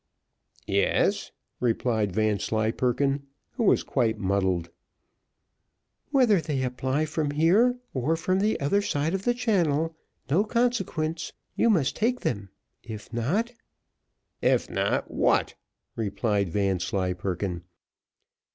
"Yes," replied Vanslyperken, who was quite muddled. "Whether they apply from here, or from the other side of the channel, no consequence, you must take them if not " "If not, what?" replied Vanslyperken.